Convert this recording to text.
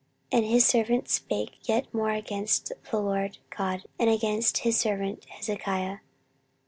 14:032:016 And his servants spake yet more against the LORD God, and against his servant Hezekiah.